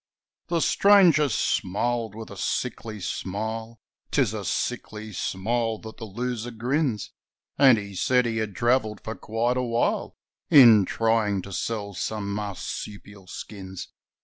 The stranger smiled with a sickly smile 'Tis a sickly smile that the loser grins And he said he had travelled for quite a while In trying to sell some marsupial skins.